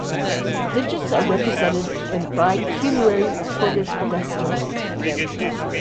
Digits are represented in bi-quinary coded decimal.